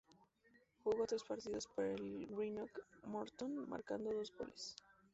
Jugó tres partidos para el Greenock Morton, marcando en dos.